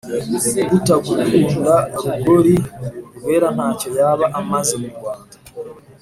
Utagukunda Rugori rweraNtacyo yaba amaze mu Rwanda